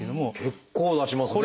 結構出しますね。